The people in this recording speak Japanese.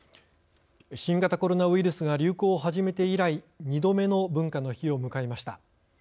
新型コロナウイルスが流行を始めて以来２度目の文化の日を迎えました。